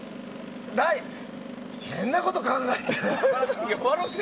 変なこと考えてる？